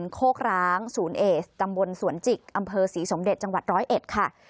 โคกร้างศูนย์เอสตำบลสวนจิกอำเภอศรีสมเด็จจังหวัดร้อยเอ็ดค่ะ